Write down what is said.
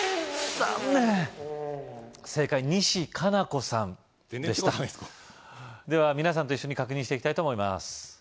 全然違うじゃないですかでは皆さんと一緒に確認していきたいと思います